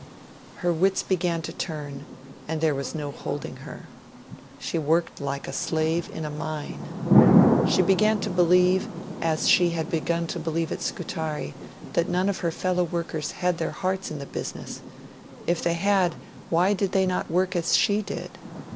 Her wits began to turn, and there was no holding her. She worked like a slave in a mine. She began to believe, as she had begun to believe at Scutari, that none of her fellow workers had their hearts in the business; if they had, why did they not work as she did?